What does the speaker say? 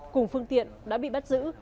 cùng phương tiện đã bị bắt giữ